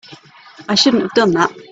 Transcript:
I shouldn't have done that.